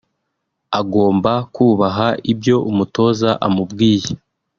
agomba kubaha ibyo umutoza amubwiye